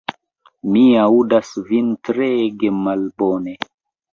Mi aŭdas vin treege malbone.